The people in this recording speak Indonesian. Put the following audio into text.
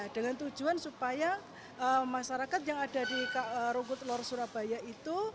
dengan tujuan supaya masyarakat yang ada di rumput lor surabaya itu